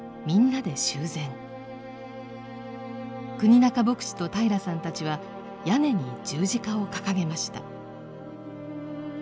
国仲牧師と平良さんたちは屋根に十字架を掲げました。